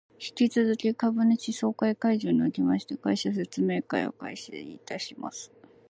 引き続き株主総会会場におきまして、会社説明会を開催いたします